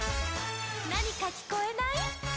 なにかきこえない？」